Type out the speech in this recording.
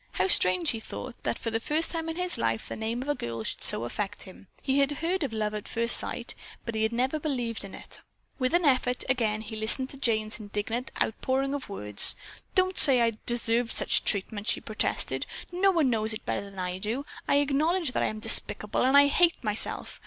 How strange, he thought, that for the first time in his life the name of a girl should so affect him. He had heard of love at first sight, but he had never believed in it. With an effort he again listened to Jane's indignant outpouring of words. "Don't say I deserved just such treatment," she protested. "No one knows it better than I do. I acknowledge that I am despicable and I hate myself.